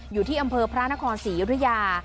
อยู่ที่อำเภอพระนครศรีอยุธยา